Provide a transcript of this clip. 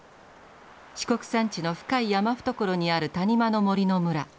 四国山地の深い山懐にある谷間の森の村。